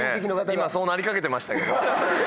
今そうなりかけてましたけど。